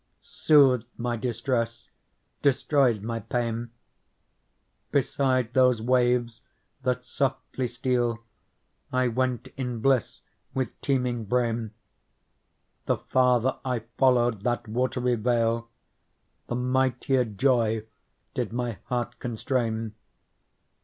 Soothed my distress, destroyed my pain ; Beside those waves that softly steal I went in bliss, with teeming brain ; The farther I followed that watery vale. The mightier joy did my heart constrain.